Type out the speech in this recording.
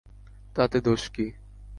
তাতে দোষ কী?